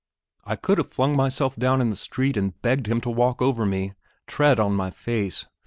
I could have flung myself down in the street and begged him to walk over me, tread on my face.